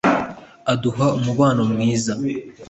aduha umubano mwiza